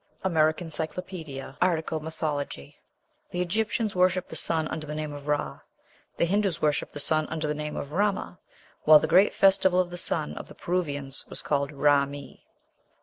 ("American Cyclopædia," art. Mythology.) The Egyptians worshipped the sun under the name of Ra; the Hindoos worshipped the sun under the name of Rama; while the great festival of the sun, of the Peruvians, was called Ray mi.